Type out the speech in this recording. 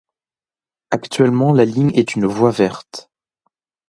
Actuellement la ligne est une voie verte.